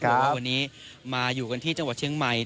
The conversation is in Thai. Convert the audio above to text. บอกว่าวันนี้มาอยู่กันที่จังหวัดเชียงใหม่